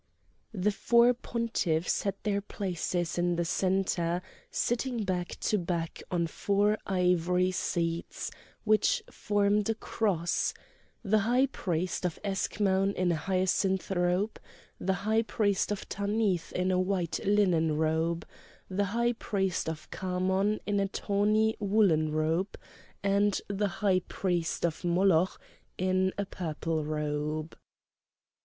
The four pontiffs had their places in the centre, sitting back to back on four ivory seats which formed a cross, the high priest of Eschmoun in a hyacinth robe, the high priest of Tanith in a white linen robe, the high priest of Khamon in a tawny woollen robe, and the high priest of Moloch in a purple robe.